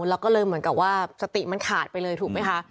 แล้วก็เลยเหมือนกับว่าสติมันขาดไปเลยถูกไหมคะ